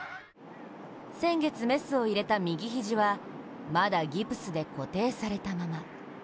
先月、メスを入れた右肘はまだギプスで固定されたまま。